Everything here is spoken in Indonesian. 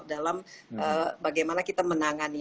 dalam bagaimana kita menangani